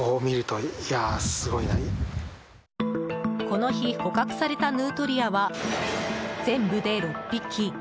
この日捕獲されたヌートリアは全部で６匹。